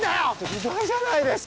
ひどいじゃないですか。